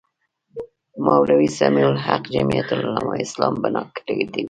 مولوي سمیع الحق جمیعت علمای اسلام بنا کړې وې.